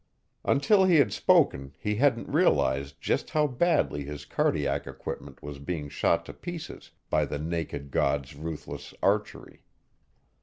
Until he had spoken he hadn't realized just how badly his cardiac equipment was being shot to pieces by the naked god's ruthless archery.